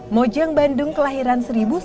mojang bandung kelahiran dua ribu sembilan belas